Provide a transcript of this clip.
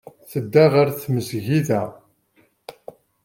Tedda ɣer tmesgida.